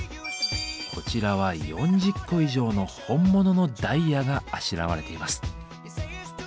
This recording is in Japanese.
こちらは４０個以上の本物のダイヤがあしらわれています。